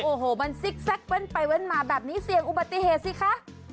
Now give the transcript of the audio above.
โอ้โหมันซิกแก๊กแว่นไปแว่นมาแบบนี้เสี่ยงอุบัติเหตุสิคะ